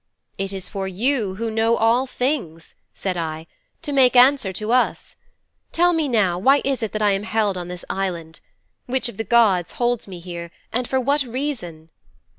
"' '"It is for you who know all things," said I, "to make answer to us. Tell me now why it is that I am held on this island? Which of the gods holds me here and for what reason?"'